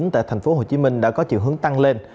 tại tp hcm đã có chiều hướng tăng lên